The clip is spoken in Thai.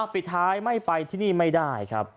ปิดท้ายไม่ไปที่นี่ไม่ได้ครับ